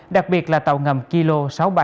đặc biệt là tàu ngầm kilo sáu trăm ba mươi